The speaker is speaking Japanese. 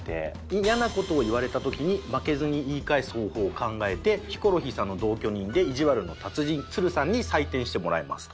イヤな事を言われた時に負けずに言い返す方法を考えてヒコロヒーさんの同居人でいじわるの達人つるさんに採点してもらいますと。